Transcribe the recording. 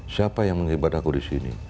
siapa yang mengibadahku di sini